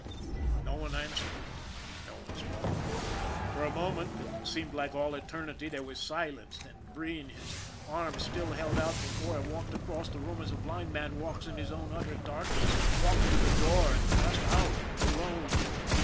No one answered him. No one spoke. For a moment that seemed like all eternity there was silence, then Breen, his arms still held out before him, walked across the room as a blind man walks in his own utter darkness, walked to the door and passed out alone.